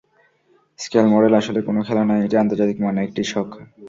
Scale model আসলে কোনো খেলা নয়, এটি আন্তর্জাতিক মানের একটি শখ।